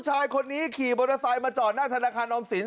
อ้าวนี่ออกไปไหน